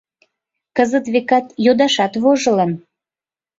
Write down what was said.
Кызыт, векат, йодашат вожылын.